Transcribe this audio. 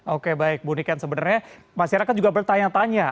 oke baik bu niken sebenarnya masyarakat juga bertanya tanya